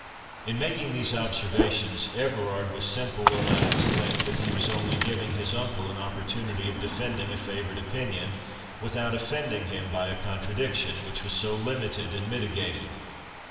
In making these observations, Everard was simple enough to think that he was only giving his uncle an opportunity of defending a favourite opinion, without offending him by a contradiction, which was so limited and mitigated.